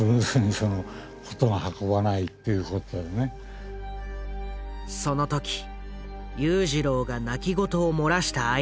その時裕次郎が泣き言を漏らした相手が一人だけいた。